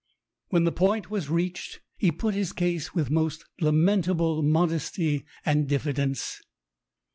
When the point was reached, he put his case with most lamentable modesty and diffidence.